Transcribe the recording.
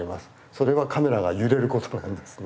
それはカメラが揺れることなんですね。